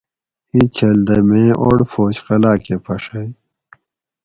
ایں چھل دہ میں اوڑ فوج قلعہ کہ پھڛئ